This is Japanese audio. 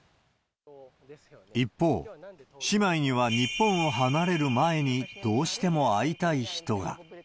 一方、姉妹には日本を離れる前にどうしても会いたい人が。